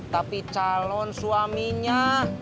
tapi calon suaminya